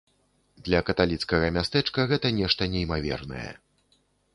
Для каталіцкага мястэчка гэта нешта неймавернае.